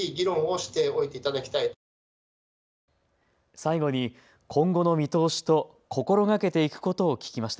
最後に今後の見通しと心がけていくことを聞きました。